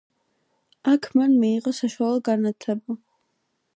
აქ მან მიიღო საშუალო განათლება.